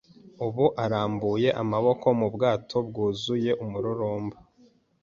Ubu arambuye amaboko mu bwato bwuzuye umururumba